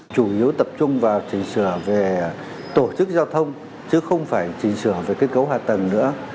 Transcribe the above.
chủ yếu tập trung vào chỉnh sửa về tổ chức giao thông chứ không phải chỉnh sửa về kết cấu hạ tầng nữa